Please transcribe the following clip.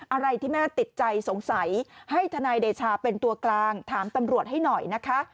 อะไรที่แม่ติดใจสงสัยให้ทนายเดชาเป็นตัวกลางถามตำรวจให้หน่อยนะคะ